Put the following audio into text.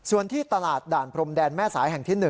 ส่วนที่ตลาดด่านพรมแดนแม่สายแห่งที่๑